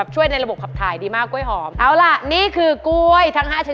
ใช่บ้าหรือไง